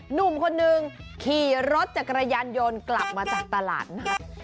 หนุ่มคนนึงขี่รถจักรยานยนต์กลับมาจากตลาดนัด